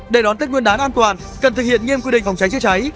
để đón tết nguyên đán an toàn cần thực hiện nghiêm quy định phòng cháy chữa cháy